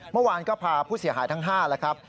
เมื่อวานก็พาผู้เสียหายทั้ง๕แล้วครับ